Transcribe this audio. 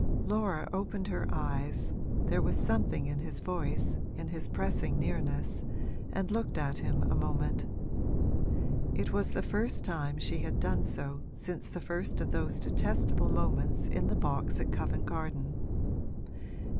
Laura opened her eyes (there was something in his voice, in his pressing nearness), and looked at him a moment: it was the first time she had done so since the first of those detestable moments in the box at Covent Garden.